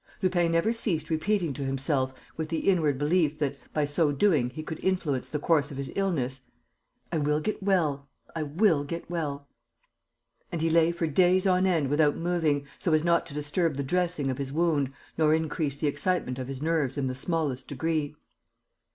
Lupin never ceased repeating to himself, with the inward belief that, by so doing, he could influence the course of his illness: "I will get well.... I will get well...." And he lay for days on end without moving, so as not to disturb the dressing of his wound nor increase the excitement of his nerves in the smallest degree.